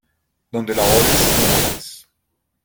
Donde labores no enamores.